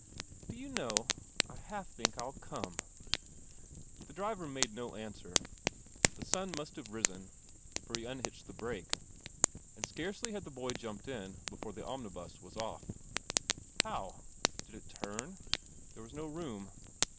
" Do you know, I half think I'll come." The driver made no answer. The sun must have risen, for he unhitched the brake. And scarcely had the boy jumped in before the omnibus was off. How? Did it turn? There was no room.